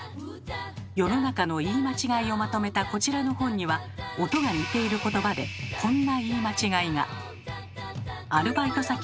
世の中の言い間違いをまとめたこちらの本には音が似ている言葉でこんな言い間違いが。